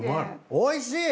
おいしい！